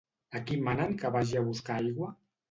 A qui manen que vagi a buscar aigua?